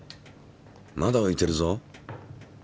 まだういてるぞ。